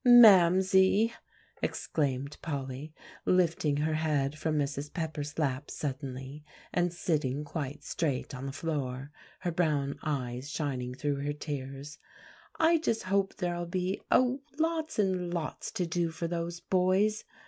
"Mamsie!" exclaimed Polly, lifting her head from Mrs. Pepper's lap suddenly, and sitting quite straight on the floor, her brown eyes shining through her tears, "I just hope there'll be, oh! lots and lots to do for those boys.